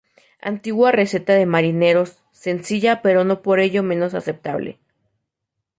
Antigua receta de marineros, sencilla, pero no por ello menos aceptable.